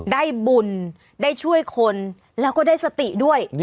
ได้บุญได้ช่วยคนแล้วก็ได้สติด้วย